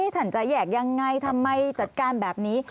ท่านจะแยกยังไงทำไมจัดการแบบนี้